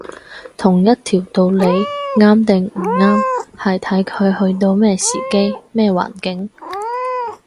同一條道理啱定唔啱，係睇佢去到咩時機，咩環境